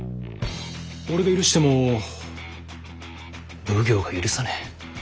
俺が許しても奉行が許さねえ。